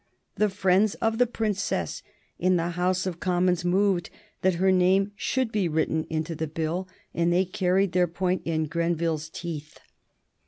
The friends of the Princess in the House of Commons moved that her name should be written into the Bill, and they carried their point in Grenville's teeth.